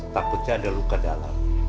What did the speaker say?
takutnya ada luka dalam